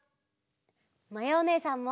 まやおねえさんも。